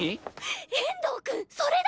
遠藤くんそれだ！